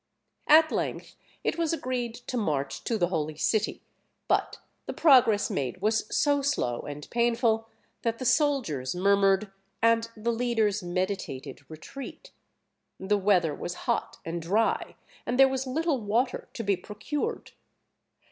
At length it was agreed to march to the Holy City; but the progress made was so slow and painful, that the soldiers murmured, and the leaders meditated retreat. The weather was hot and dry, and there was little water to be procured.